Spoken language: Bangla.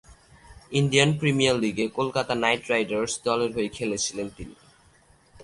ইন্ডিয়ান প্রিমিয়ার লীগে কলকাতা নাইট রাইডার্স দলের হয়ে খেলছেন তিনি।